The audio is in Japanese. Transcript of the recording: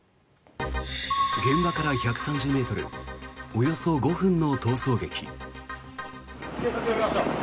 現場から１３０ｍおよそ５分の逃走劇。